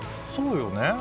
そうよね。